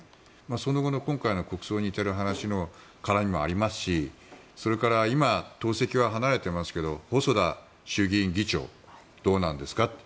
その後の今回の国葬に至るまでの話もありますしそれから今、党籍は離れてますけど細田衆議院議長どうなんですかと。